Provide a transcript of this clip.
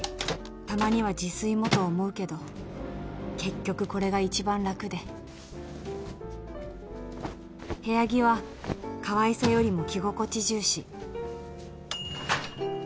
たまには自炊もと思うけど結局これが一番楽で部屋着はかわいさよりも着心地重視